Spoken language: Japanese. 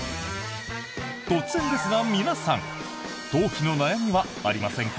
突然ですが皆さん頭皮の悩みはありませんか？